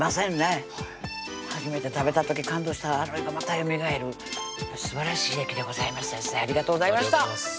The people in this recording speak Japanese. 初めて食べた時感動したあれがまたよみがえるすばらしい出来でございます先生ありがとうございました